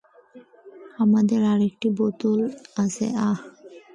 আমাদের আরেকটি বোতল আছে আহ।